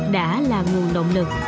đã là nguồn động lực